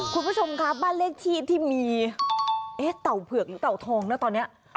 คุณผู้ชมครับบ้านเลขที่ที่มีเต่าเผือกหรือเต่าทองนะตอนนี้